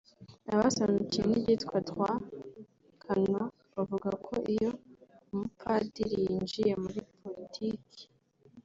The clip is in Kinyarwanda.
Abasobanukiwe n’ibyitwa «droit canon» bavuga ko iyo umupadiri yinjiye muri politiki